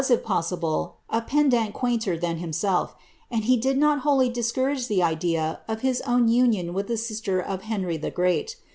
if possible, a pedant quainter than himself; and he ciid not wholly discourage the idea of his own union with tfie sister of Henry the Great.